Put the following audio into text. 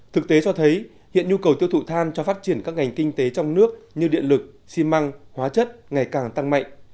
thực tế cho thấy hiện nhu cầu tiêu thụ than cho phát triển các ngành kinh tế trong nước như điện lực xi măng hóa chất ngày càng tăng mạnh